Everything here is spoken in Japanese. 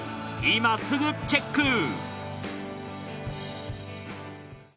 今すぐチェック！